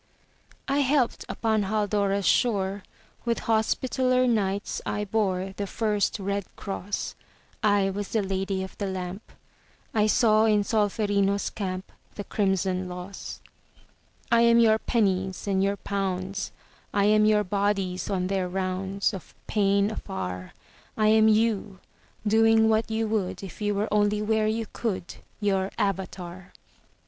I helped upon Haldora's shore; With Hospitaller Knights I bore The first red cross; I was the Lady of the Lamp; I saw in Solferino's camp The crimson loss. 188 AUXILIARIES I am your pennies and your pounds; I am your bodies on their rounds Of pain afar; I am you, doing what you would If you were only where you could —■ Your avatar.